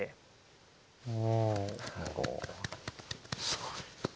すごい。